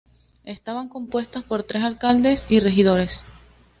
Estaban compuestas por tres alcaldes y regidores.